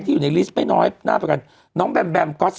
ที่อยู่ในนายหน้าประกันน้องแบ้งแบม